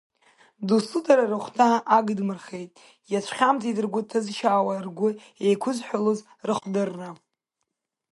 Дасу дара рыхәҭаа агдмырхеит, иацәхьамҵит ргәы ҭызшьаауаз, ргәы еиқәызҳәалоз рыхдырра.